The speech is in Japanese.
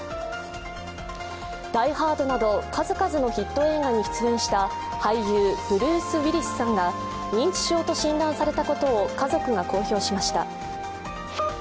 「ダイ・ハード」など数々のヒット映画に出演した俳優、ブルース・ウィリスさんが認知症と診断されたことを家族が公表しました。